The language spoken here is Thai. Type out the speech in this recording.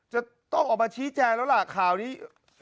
จะต้องออกมาชี้แจงแล้วล่ะข่าวนี้